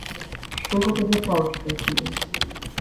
Што гэта за праўкі такія?